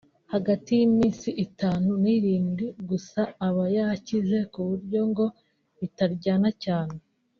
hagati y’iminsi itanu n’irindwi gusa aba yakize kuko ngo bitaryana cyane